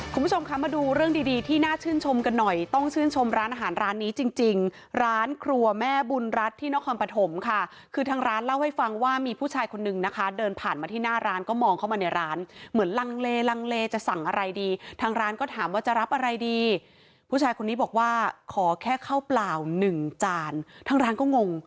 คุณผู้ชมคะมาดูเรื่องดีดีที่น่าชื่นชมกันหน่อยต้องชื่นชมร้านอาหารร้านนี้จริงจริงร้านครัวแม่บุญรัฐที่นครปฐมค่ะคือทางร้านเล่าให้ฟังว่ามีผู้ชายคนนึงนะคะเดินผ่านมาที่หน้าร้านก็มองเข้ามาในร้านเหมือนลังเลลังเลจะสั่งอะไรดีทางร้านก็ถามว่าจะรับอะไรดีผู้ชายคนนี้บอกว่าขอแค่ข้าวเปล่าหนึ่งจานทางร้านก็งง